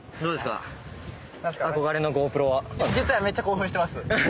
実はめっちゃ興奮してます。